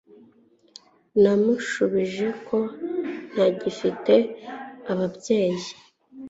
Namushubije ko ntagifite ababyeyi